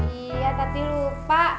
iya tadi lupa